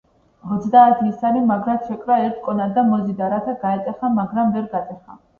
ოცდაათი ისარი, მაგრად შეკრა ერთ კონად და მოზიდა, რათა გაეტეხა, მაგრამ ვერ გატეხა.